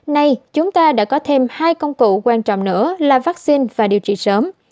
nay chúng ta đã có thêm hai công cụ quan trọng nữa là vaccine và điều trị sớm